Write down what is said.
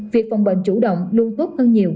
việc phòng bệnh chủ động luôn tốt hơn nhiều